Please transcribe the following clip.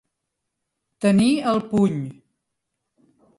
Tenir al puny.